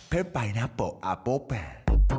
เป็นไพรนัปเบิ้ลอัปโฟแปน